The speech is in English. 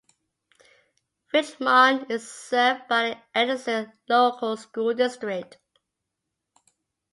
Richmond is served by the Edison Local School District.